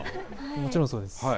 もちろんそうです。